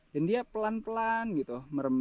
dan dia pelan pelan gitu